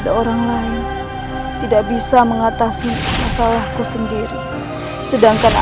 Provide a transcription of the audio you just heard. yang limpah kemewahan